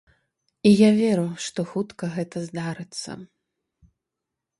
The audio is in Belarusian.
І я веру, што хутка гэта здарыцца.